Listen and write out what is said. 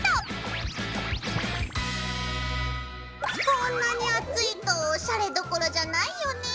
こんなに暑いとおしゃれどころじゃないよねぇ。